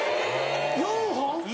４本？